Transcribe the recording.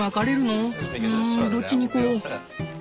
うんどっちに行こう？